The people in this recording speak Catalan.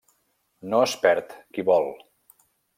No es perd qui vol.